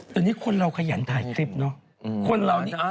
แต่นี่คนเราขยันถ่ายคลิปเนอะ